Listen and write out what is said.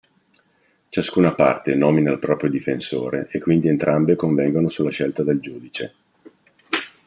Ciascuna parte nomina il proprio difensore e quindi entrambe convengono sulla scelta del giudice.